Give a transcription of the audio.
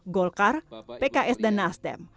golkar pks dan nasdem